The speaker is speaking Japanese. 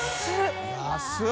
安い！